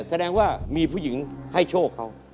แสดงว่ามีผู้หญิงให้โชคเขา